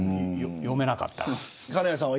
読めなかったら。